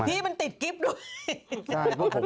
พี่มันติดกริปนุ่ม